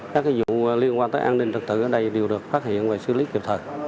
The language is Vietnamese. các vụ liên quan tới an ninh trật tự ở đây đều được phát hiện và xử lý kịp thời